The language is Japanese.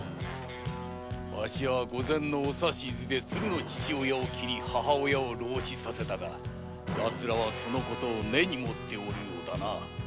ワシは御前のお指図でつるの父親を切り母親をろう死させたがその事を根に持っているようだな。